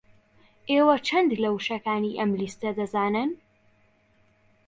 ئێوە چەند لە وشەکانی ئەم لیستە دەزانن؟